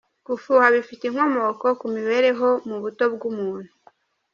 Gufuha bifite inkomoko ku mibereho mu buto bw’umuntu .